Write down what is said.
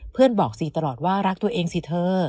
บอกซีตลอดว่ารักตัวเองสิเธอ